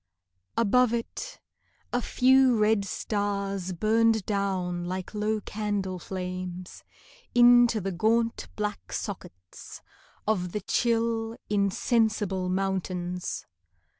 Above it, a few red stars Burned down like low candle flames Into the gaunt black sockets Of the chill insensible mountains.